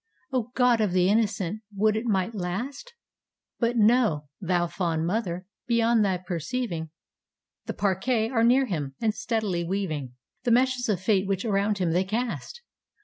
O, God of the Innocent, would it might last! But know, thou fond mother, beyond thy perceiving, The Parcæ are near him, and steadily weaving The meshes of Fate which around him they cast!